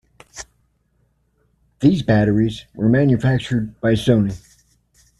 These batteries were manufactured by Sony.